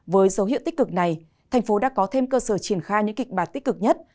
với dấu hiệu tích cực này thành phố đã có thêm cơ sở triển khai những kịch bản tích cực nhất